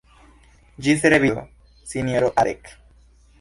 Ĝis revido, sinjoro Adek.